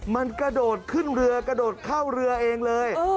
มันกระโดดขึ้นเรือกระโดดเข้าเรือเองเลย